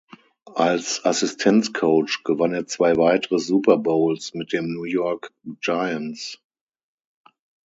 Als Assistenzcoach gewann er zwei weitere Super Bowls mit den New York Giants.